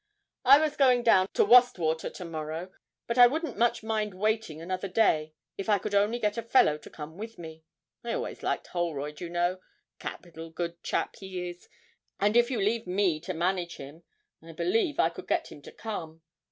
I was going down to Wastwater to morrow, but I wouldn't much mind waiting another day if I could only get a fellow to come with me. I always liked Holroyd, you know capital good chap he is, and if you leave me to manage him, I believe I could get him to come.